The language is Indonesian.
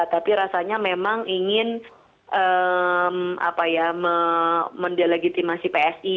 tapi rasanya memang ingin apa ya mendelegitimasi psi